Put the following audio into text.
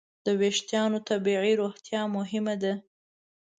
د وېښتیانو طبیعي روغتیا مهمه ده.